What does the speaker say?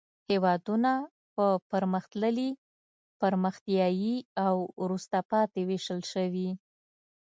هېوادونه په پرمختللي، پرمختیایي او وروسته پاتې ویشل شوي.